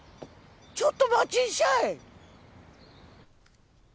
ちょっと待ちんしゃい。